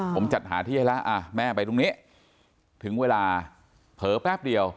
ผมจัดหาที่ให้แล้วแม่ไปตรงนี้ถึงเวลาเผลอแป๊บเดียว